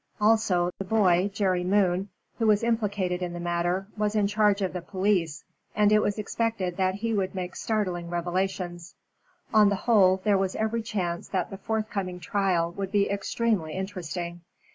Also, the boy, Jerry Moon, who was implicated in the matter, was in charge of the police, and it was expected that he would make startling revelations. On the whole, there was every chance that the forthcoming trial would be extremely interesting.